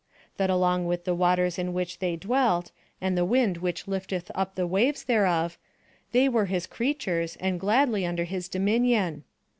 that along with the waters in which they dwelt, and the wind which lifteth up the waves thereof, they were his creatures, and gladly under his dominion?